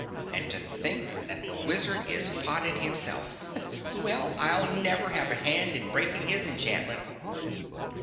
And to think that the Wizard is potted himself! Well, I'll never have a hand in breaking his enchantment!"